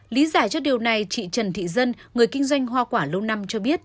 lý giải cho điều này chị trần thị dân người kinh doanh hoa quả lâu năm cho biết